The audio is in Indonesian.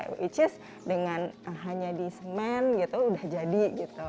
which is dengan hanya di semen gitu udah jadi gitu